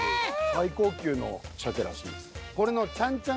最高級の鮭らしいです。